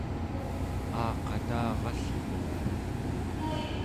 aaqatarallruuq